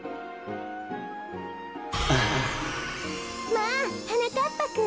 まあはなかっぱくん。